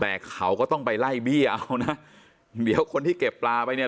แต่เขาก็ต้องไปไล่เบี้ยเอานะเดี๋ยวคนที่เก็บปลาไปเนี่ย